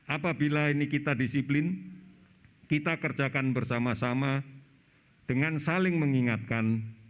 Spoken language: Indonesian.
apabila ini kita disiplin kita kerjakan bersama sama dengan saling mengingatkan